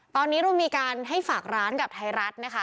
ตอนนี้เรามีการให้ฝากร้านกับไทยรัฐนะคะ